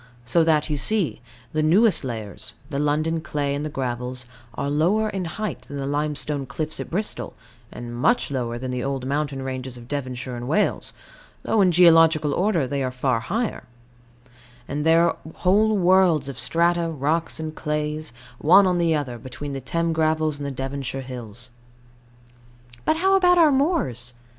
So that, you see, the newest layers, the London clay and the gravels, are lower in height than the limestone cliffs at Bristol, and much lower than the old mountain ranges of Devonshire and Wales, though in geological order they are far higher; and there are whole worlds of strata, rocks and clays, one on the other, between the Thames gravels and the Devonshire hills. But how about our moors?